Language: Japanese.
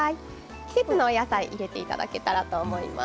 季節のお野菜を入れていただければと思います。